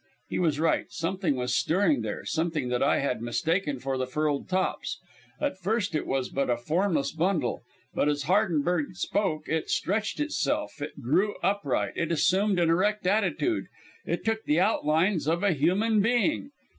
He was right. Something was stirring there, something that I had mistaken for the furled tops'l. At first it was but a formless bundle, but as Hardenberg spoke it stretched itself, it grew upright, it assumed an erect attitude, it took the outlines of a human being.